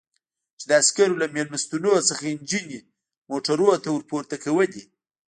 چې د عسکرو له مېلمستونونو څخه یې نجونې موټرونو ته ور پورته کولې.